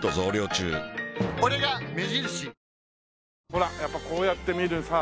ほらやっぱりこうやって見るさ。